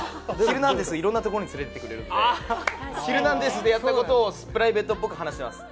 『ヒルナンデス！』、いろんなところに連れて行ってくれるので『ヒルナンデス！』でやったことをプライベートっぽく話してます。